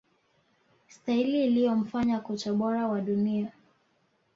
Staili iliyomfanya kocha bora wa dunia